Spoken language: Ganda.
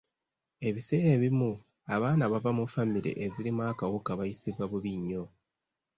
Ebiseera ebimu abaana abava mu famire ezirimu akawuka bayisibwa bubi nnyo.